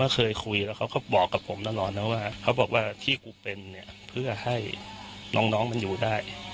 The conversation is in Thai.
เขาบอกว่าที่กูเป็นเนี่ยเพื่อให้น้องมันอยู่ได้